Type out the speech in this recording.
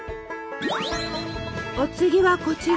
お次はこちら。